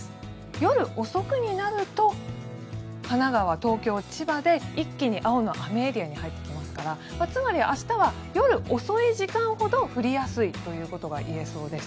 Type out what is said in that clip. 夜遅くになると神奈川、東京、千葉で一気に青の雨エリアに入ってきますからつまり、明日は夜遅い時間ほど降りやすいということが言えそうです。